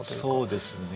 そうですね。